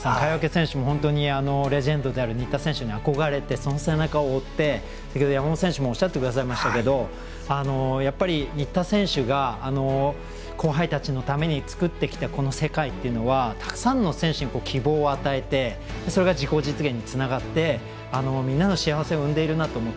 川除選手もレジェンドである新田選手に憧れてその背中を追って、山本選手もおっしゃってくださいましたけどやっぱり、新田選手が後輩たちのために作ってきた世界というのはたくさんの選手に希望を与えてそれが自己実現につながってみんなの幸せを生んでいるなと。